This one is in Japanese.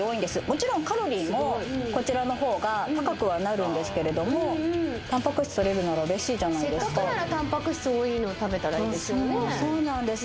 もちろんカロリーもこちらのほうが高くはなるんですけれどもたんぱく質とれるなら嬉しいじゃないですか食べたらいいですよねそうなんです